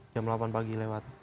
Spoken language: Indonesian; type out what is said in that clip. jam delapan pagi lewat